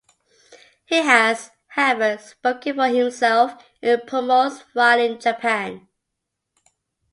He has, however, spoken for himself in promos while in Japan.